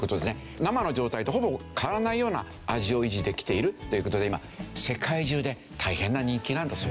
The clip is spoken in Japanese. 生の状態とほぼ変わらないような味を維持できているという事で今世界中で大変な人気なんだそうですね。